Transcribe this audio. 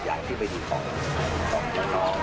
สวัสดีปีใหม่คุณชูวิตด้วย